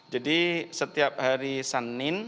jadi setiap hari sanin